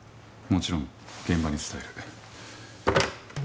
もちろん現場に伝える。